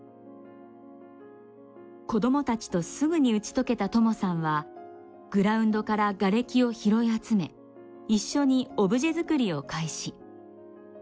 子どもたちとすぐに打ち解けたともさんはグラウンドからがれきを拾い集め一緒にオブジェ作りを開始。